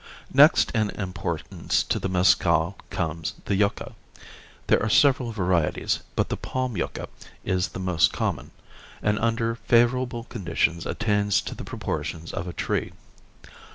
Next in importance to the mescal comes the yucca. There are several varieties, but the palm yucca is the most common, and under favorable conditions attains to the proportions of a tree.